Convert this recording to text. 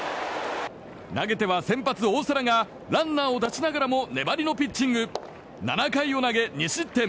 投げては先発、大瀬良がランナーを出しながらも粘りのピッチング７回を投げ２失点。